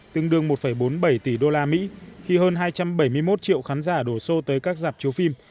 tương đương một bốn mươi bảy tỷ usd khi hơn hai trăm bảy mươi một triệu khán giả đổ xô tới các dạp chiếu phim